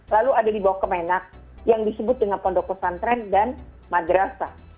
lalu ada di bawah kemenak yang disebut dengan pondok pesantren dan madrasah